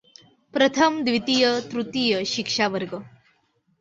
प्रथम, द्वितीय, तृतीय शिक्षा वर्ग.